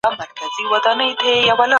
د کنټ نظریات په پام کي ونیسئ.